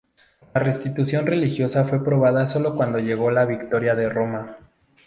La restitución religiosa fue probada solo cuando llegó la victoria de Roma.